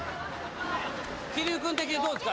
桐生君的にどうですか？